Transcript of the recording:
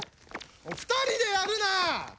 ２人でやるな！